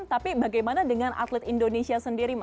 tapi bagaimana dengan atlet indonesia sendiri